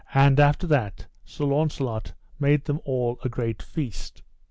And after that Sir Launcelot made them all a great feast.